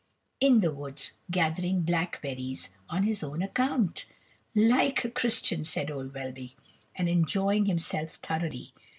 In the woods gathering blackberrries on his own account, 'like a Christian,' said old Welby, and enjoying himself thoroughly.